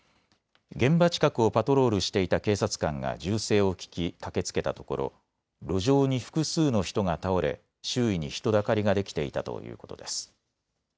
現場近くをパトロールしていた警察官が銃声を聞き駆けつけたところ路上に複数の人が倒れ、周囲に人だかりができていたということです。